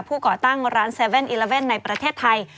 ก่อตั้งร้าน๗๑๑ในประเทศไทย